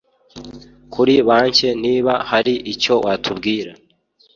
kuri banke niba haricyo watubwira